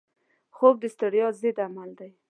خوب د ستړیا ضد عمل دی